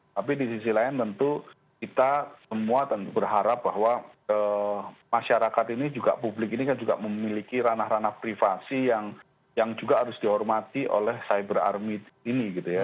tapi di sisi lain tentu kita semua berharap bahwa masyarakat ini juga publik ini kan juga memiliki ranah ranah privasi yang juga harus dihormati oleh cyber army ini gitu ya